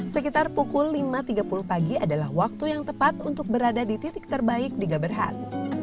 sekitar pukul lima tiga puluh pagi adalah waktu yang tepat untuk berada di titik terbaik di gaberhad